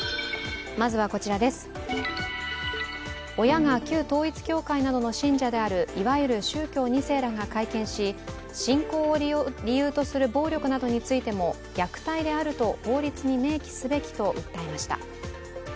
親が旧統一教会などの信者であるいわゆる宗教２世らが会見し信仰を理由とする暴力などについても虐待であると法律に明記すべきと訴えました。